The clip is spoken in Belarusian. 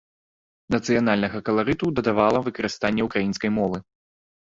Нацыянальнага каларыту дадавала выкарыстанне ўкраінскай мовы.